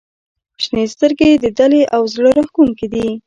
• شنې سترګې د دلې او زړه راښکونکې دي.